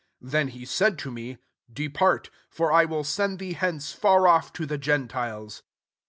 21 Then he said to me, * Depart ; for I will send thee hence far off to the gentiles.'